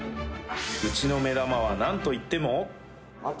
うちの目玉は何といってもああ！